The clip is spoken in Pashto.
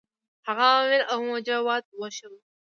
هغه عوامل او موجبات وښيیو.